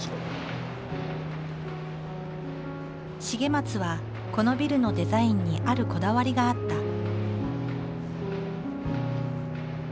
重松はこのビルのデザインにあるこだわりがあった。